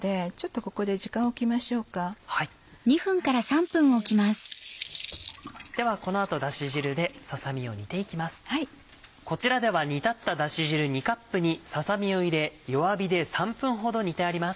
こちらでは煮立っただし汁２カップにささ身を入れ弱火で３分ほど煮てあります。